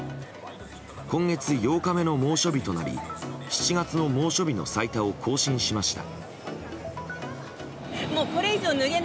今月８日目の猛暑日となり７月の猛暑日の最多を更新しました。